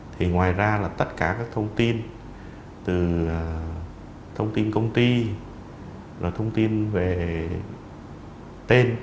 thì ngoài ra là tất cả các thông tin từ thông tin công ty là thông tin về tên